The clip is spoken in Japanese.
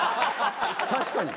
確かに。